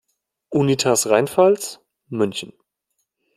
Unitas Rheinpfalz, München.